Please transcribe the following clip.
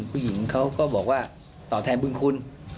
ผู้หญิงเขาก็บอกว่าตอบแทนบุญคุณ